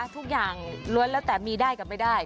ทุกอย่างล้วนแล้วแต่มีได้กับไม่ได้